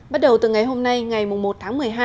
bắt đầu từ ngày hôm nay ngày một tháng một mươi hai